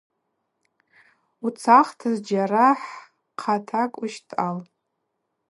Уцахта зджьара хъатакӏ ущтӏал.